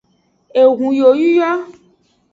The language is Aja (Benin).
Ehun yoyu yo.